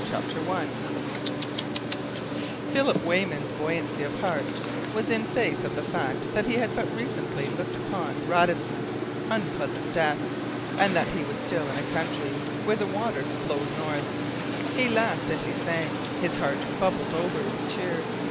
CHAPTER ONE Philip Weyman's buoyancy of heart was in face of the fact that he had but recently looked upon Radisson's unpleasant death, and that he was still in a country where the water flowed north. He laughed and he sang. His heart bubbled over with cheer.